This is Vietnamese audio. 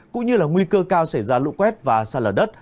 cũng như là nguy cơ cao xảy ra lũ quét và xa lở đất